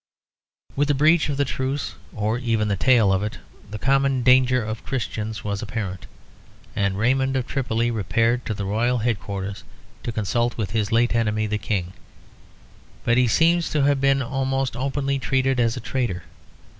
With the breach of the truce, or even the tale of it, the common danger of Christians was apparent; and Raymond of Tripoli repaired to the royal headquarters to consult with his late enemy the king; but he seems to have been almost openly treated as a traitor.